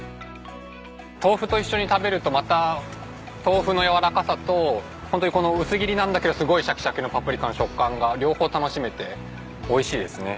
豆腐と一緒に食べるとまた豆腐のやわらかさとホントにこの薄切りなんだけどすごいシャキシャキのパプリカの食感が両方楽しめておいしいですね。